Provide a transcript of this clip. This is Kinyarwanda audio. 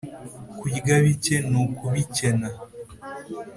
Kurya bike ni ukubikena.